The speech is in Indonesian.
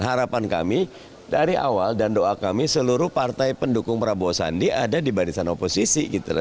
harapan kami dari awal dan doa kami seluruh partai pendukung prabowo sandi ada di barisan oposisi gitu loh